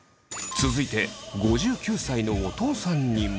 続いて５９歳のお父さんにも。